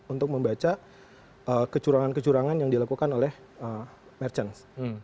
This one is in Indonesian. untuk membaca kecurangan kecurangan yang dilakukan oleh merchant